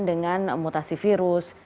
dengan mutasi virus